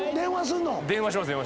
電話します。